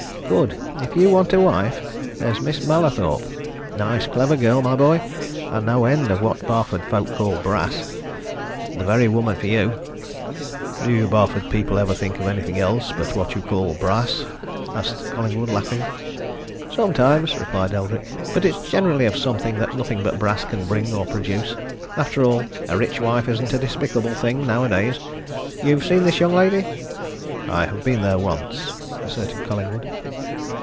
Good! If you want a wife, there's Miss Mallathorpe. Nice, clever girl, my boy and no end of what Barford folk call brass. The very woman for you." "Do you Barford people ever think of anything else but what you call brass?" asked Collingwood, laughing. "Sometimes," replied Eldrick. "But it's generally of something that nothing but brass can bring or produce. After all, a rich wife isn't a despicable thing, nowadays. You've seen this young lady?" "I've been there once," asserted Collingwood.